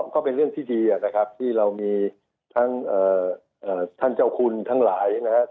ก็เป็นเรื่องที่ดีนะครับที่เรามีทั้งท่านเจ้าคุณทั้งหลายนะครับ